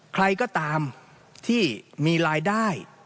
ใครก็ตามที่มีรายได้